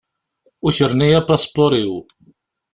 Ukren-iyi apaspuṛ-iw.